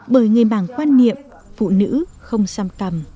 bởi người mảng quan niệm phụ nữ không xăm cằm